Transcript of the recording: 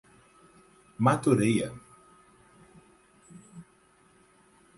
Matureia